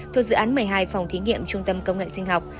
thuộc dự án một mươi hai phòng thí nghiệm trung tâm công nghệ sinh học